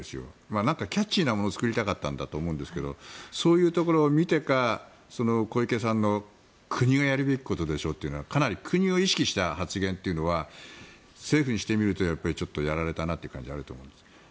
何かキャッチーなものを作りたかったんだと思いますがそういうところを見てか小池さんの国がやるべきことでしょというのはかなり国を意識した発言というのは政府にしてみるとちょっとやられたなという感じがあると思います。